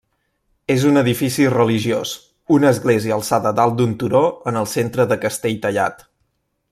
És un edifici religiós, una església alçada dalt d'un turó en el centre de Castelltallat.